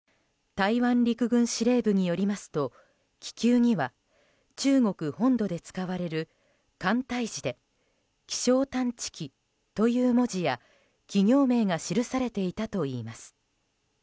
台湾陸軍司令部によりますと気球には中国本土で使われる簡体字で気象探知機という文字や企業名が記されていたといいます。